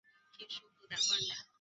死于任上。